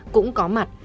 cũng có mặt